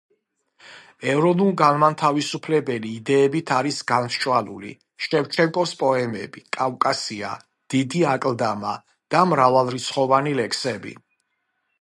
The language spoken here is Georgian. ეროვნულ-განმათავისუფლებელი იდეებით არის გამსჭვალული შევჩენკოს პოემები „კავკასია“, „დიდი აკლდამა“ და მრავალრიცხოვანი ლექსები.